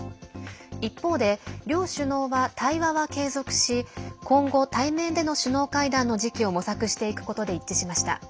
一方で、両首脳は対話は継続し今後、対面での首脳会談の時期を模索していくことで一致しました。